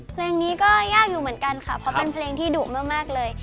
เพลงนี้ก็ยากอยู่เหมือนกันค่ะเพราะเป็นเพลงที่ดุมากเลย